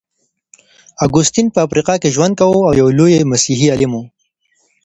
اګوستين په افریقا کي ژوند کاوه او يو لوی مسيحي عالم و.